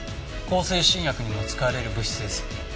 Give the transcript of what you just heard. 向精神薬にも使われる物質です。